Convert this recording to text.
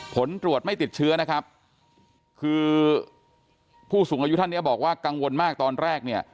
ผลตรวจไม่ติดเชื้อนะครับคือผู้สูงอายุท่านเนี่ยบอกว่ากังวลมากตอนแรกเนี่ย